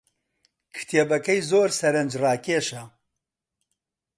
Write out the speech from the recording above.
کتێبەکەی زۆر سەرنجڕاکێشە.